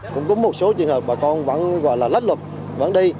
cũng có một số trường hợp bà con vẫn gọi là lách luật vẫn đi